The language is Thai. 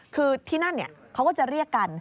คือที่นั่นเขาก็จะเรียกกัน